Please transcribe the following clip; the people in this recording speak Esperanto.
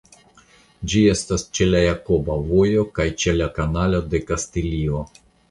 Ĝi estas ĉe la Jakoba Vojo kaj ĉe la Kanalo de Kastilio.